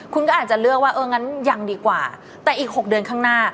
คุณก็อาจจะเลือกว่าเอองั้นยังดีกว่าแต่อีก๖เดือนข้างหน้า